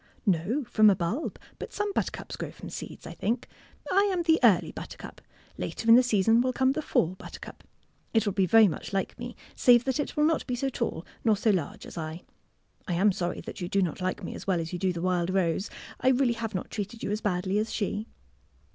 *' No, from a bulb, but some buttercups grow from seeds, I think. I am the early buttercup. Later in the season will come the fall butter IN THE PASTURE 129 cup. It will be very much like me, save that it will not be so tall nor so large as I. I am sorry that you do not like me as well as you do the wild rose. I really have not treated you as badly as she.''